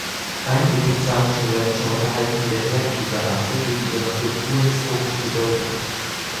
Einige texanische Rancher unterhalten wieder Herden dieser Rasse wegen ihrer kulturhistorischen Bedeutung.